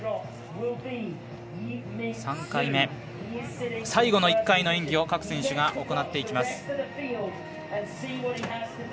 ３回目、最後の１回の演技を各選手が行っていきます。